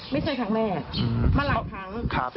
ไม่ใช่ครั้งแรกมาหลายครั้ง